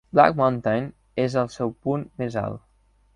Black Mountain és el seu punt més alt.